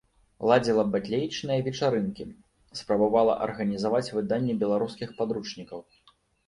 Ладзіла батлеечныя вечарынкі, спрабавала арганізаваць выданне беларускіх падручнікаў.